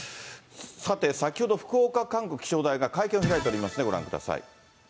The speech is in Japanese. さて、先ほど福岡管区気象台が会見を開いておりますので、ご覧ください。